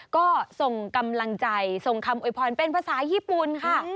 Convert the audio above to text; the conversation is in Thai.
ก็ส่งกำลังใจส่งคำโวยพรเป็นภาษาญี่ปุ่นค่ะ